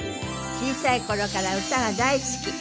小さい頃から歌が大好き。